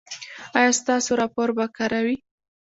ایا ستاسو راپور به کره وي؟